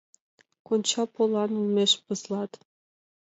Конча полан олмеш пызлат.